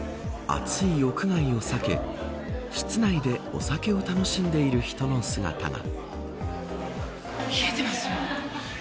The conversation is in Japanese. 暑い屋外を避け室内でお酒を楽しんでいる人の姿が。